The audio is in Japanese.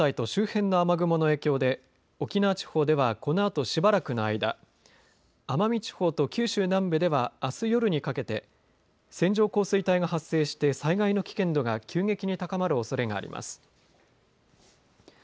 台風本体と周辺の雨雲の影響で沖縄地方ではこのあとしばらくの間奄美地方と九州南部ではあす夜にかけて線状降水帯が発生して災害の危険度が急激に高まるおそれがあります。